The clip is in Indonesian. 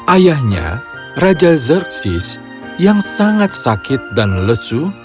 ayahnya raja zersis yang sangat sakit dan lesu